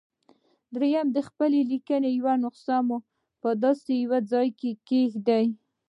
درېيم د خپلې ليکنې يوه نسخه مو په داسې يوه ځای کېږدئ.